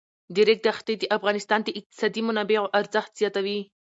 د ریګ دښتې د افغانستان د اقتصادي منابعو ارزښت زیاتوي.